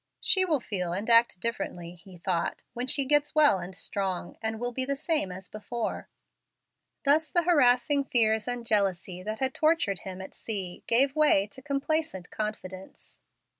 "She will feel and act differently," he thought, "when she gets well and strong, and will be the same as before." Thus the harassing fears and jealousy that had tortured him at sea gave way to complacent confidence.